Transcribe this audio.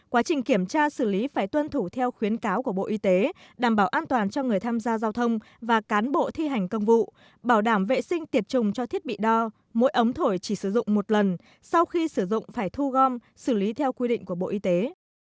quá trình kiểm tra xử lý phải tuân thủ theo khuyến cáo của bộ y tế đảm bảo an toàn cho người tham gia giao thông và cán bộ thi hành công vụ bảo đảm vệ sinh tiệt trùng cho thiết bị đo mỗi ống thổi chỉ sử dụng một lần sau khi sử dụng phải thu gom xử lý theo quy định của bộ y tế